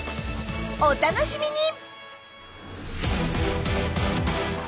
お楽しみに！